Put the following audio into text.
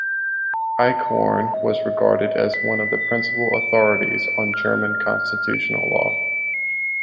Eichhorn was regarded as one of the principal authorities on German constitutional law.